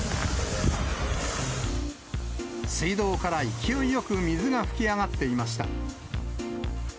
水道から勢いよく水が噴き上がっていました。